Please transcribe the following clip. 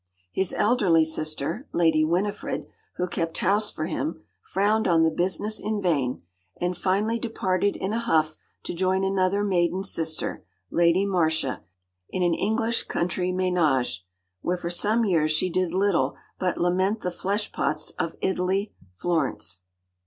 His elderly sister, Lady Winifred, who kept house for him, frowned on the business in vain; and finally departed in a huff to join another maiden sister, Lady Marcia, in an English country ménage, where for some years she did little but lament the flesh pots of Italy—Florence.